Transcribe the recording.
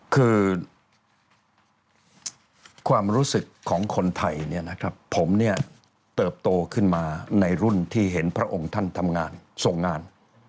คือความรู้สึกของคนไทยเนี่ยนะครับผมเนี่ยเติบโตขึ้นมาในรุ่นที่เห็นพระองค์ท่านทำงานส่งงาน